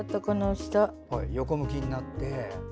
横向きになって。